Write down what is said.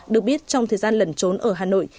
được biết trong thời gian lẩn trốn ở hà nội